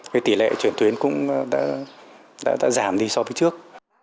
cái tỷ lệ chuyển tuyến cũng đã giảm đi so với trước